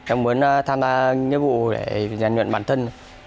em muốn tham gia nhiệm vụ để giàn luyện bản thân